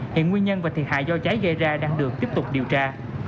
hiện nguyên nhân và thiệt hại do cháy gây ra đang được tiếp tục điều tra